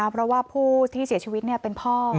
เพราะว่าผู้ที่เสียชีวิตเป็นพ่อ